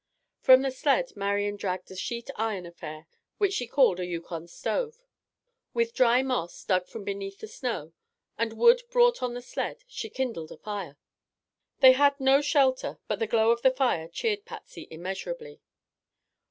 From the sled Marian dragged a sheet iron affair which she called a Yukon stove. With dry moss, dug from beneath the snow, and wood brought on the sled, she kindled a fire. They had no shelter, but the glow of the fire cheered Patsy immeasurably.